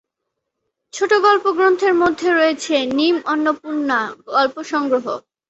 ছোটগল্প গ্রন্থের মধ্যে রয়েছে: "নিম অন্নপূর্ণা", "গল্প সংগ্রহ"।